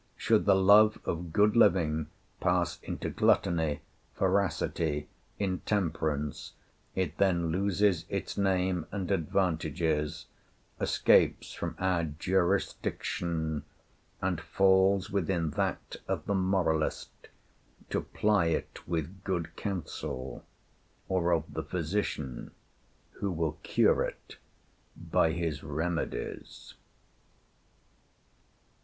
Should the love of good living pass into gluttony, voracity, intemperance, it then loses its name and advantages, escapes from our jurisdiction, and falls within that of the moralist to ply it with good counsel, or of the physician who will cure it by his remedies.